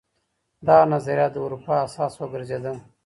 دغه نظريات د اروپا اساس وګرځېدل.